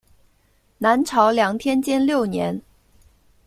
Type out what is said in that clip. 南朝梁天监六年。